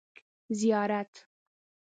ـ زیارت.